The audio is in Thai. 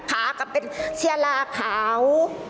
ขาก็เป็นเชียลาขาว